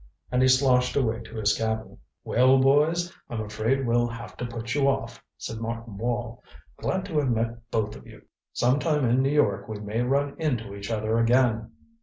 And he sloshed away to his cabin. "Well, boys, I'm afraid we'll have to put you off," said Martin Wall. "Glad to have met both of you. Sometime in New York we may run into each other again."